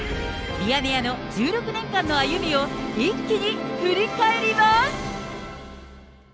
ミヤネ屋の１６年間の歩みを、一気に振り返ります。